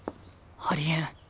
ありえん。